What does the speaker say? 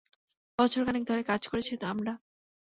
বছরখানেক ধরে কাজ করেছি আমরা!